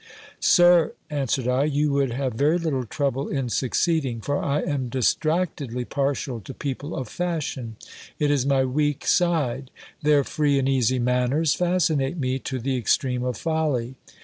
Sir, answered I, you would have very little trouble in succeeding; for I am distractedly partial to people of fashion ; it is my weak side ; their free and easy manners fascinate me to the extreme of folly.